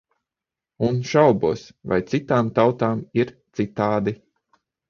Un šaubos, vai citām tautām ir citādi.